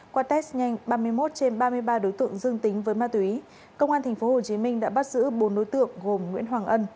qua test nhanh ba mươi một trên ba mươi ba đối tượng dương tính với ma túy công an tp hcm đã bắt giữ bốn đối tượng gồm nguyễn hoàng ân